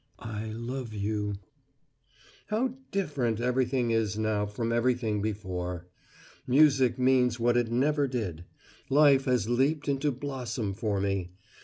"I love you! "How different everything is now from everything before. Music means what it never did: Life has leaped into blossom for me.